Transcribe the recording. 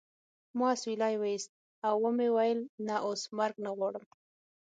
ما اسویلی وایست او و مې ویل نه اوس مرګ نه غواړم